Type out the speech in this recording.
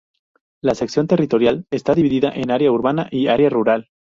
La sección territorial está dividida en área urbana y área rural.